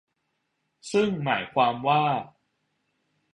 ซึ่งหมายความว่า